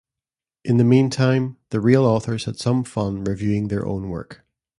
In the meantime, the real authors had some fun reviewing their own work.